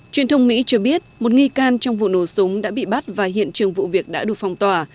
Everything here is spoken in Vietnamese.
truyền thông mỹ cho biết một nghi can trong vụ nổ súng đã bị bắt và hiện trường vụ việc đã được phong tỏa